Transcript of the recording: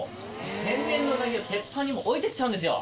天然のうなぎを鉄板に置いてっちゃうんですよ。